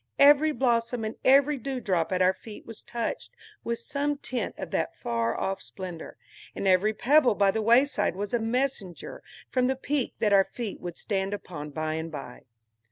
Every blossom and every dewdrop at our feet was touched with some tint of that far off splendor, and every pebble by the wayside was a messenger from the peak that our feet would stand upon by and by.